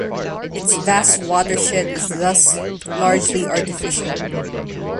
Its vast watershed is thus largely artificial.